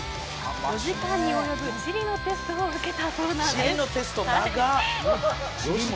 ４時間に及ぶ地理のテストを受けたそうなんです。